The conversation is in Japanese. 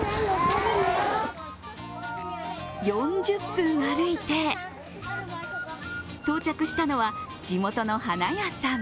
４０分歩いて到着したのは地元の花屋さん。